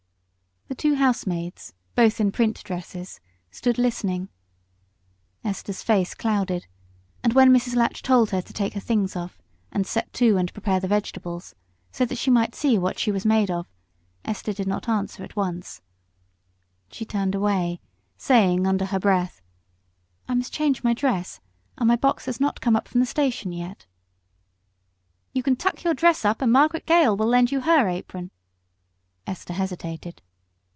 The two housemaids, both in print dresses, stood listening. Esther's face clouded, and when Mrs. Latch told her to take her things off and set to and prepare the vegetables, so that she might see what she was made of, Esther did not answer at once. She turned away, saying under her breath, "I must change my dress, and my box has not come up from the station yet." "You can tuck your dress up, and Margaret Gale will lend you her apron." Esther hesitated.